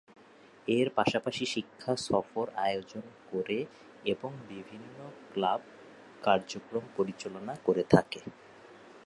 এর পাশাপাশি শিক্ষা সফর আয়োজন করে এবং বিভিন্ন ক্লাব কার্যক্রম পরিচালনা করে থাকে।